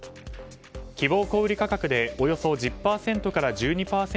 希望小売価格でおよそ１０％から１２％